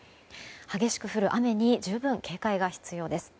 激しく降る雨に十分警戒が必要です。